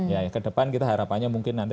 ya kedepan kita harapannya mungkin nanti